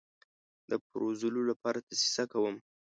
د پرزولو لپاره دسیسه کوم.